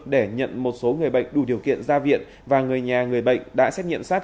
để nhận một số người bệnh đủ điều kiện ra viện và người nhà người bệnh đã xét nghiệm sars